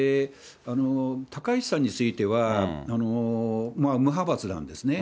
高市さんについては、無派閥なんですね。